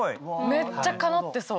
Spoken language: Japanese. めっちゃかなってそう。